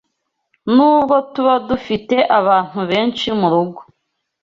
nubwo tuba dufite abantu benshi mu rugo